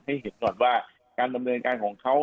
ให้เห็นก่อนว่าการดำเนินการของเขา